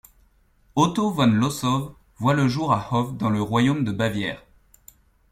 Otto von Lossow voit le jour à Hof dans le royaume de Bavière.